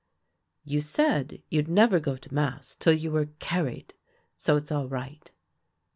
" You said you'd never go to mass till you were car ried ; so it's all right."